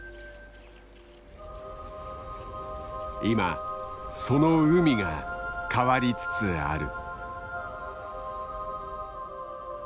今その海が変わりつつある。